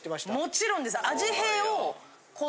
もちろんです。